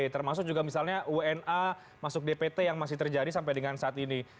termasuk juga misalnya wna masuk dpt yang masih terjadi sampai dengan saat ini